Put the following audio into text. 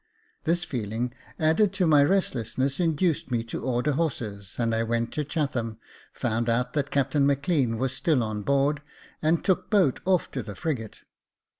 This feeling, added to my restlessness, induced me to order horses, and I went to Chatham, found out that Captain Maclean was still on board, and took boat off to the frigate.